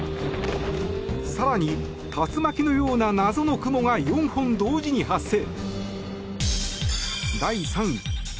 更に、竜巻のような謎の雲が４本同時に発生。